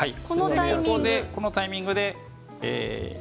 このタイミングですね。